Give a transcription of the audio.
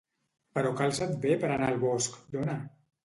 Però calça't bé per anar al bosc, dona!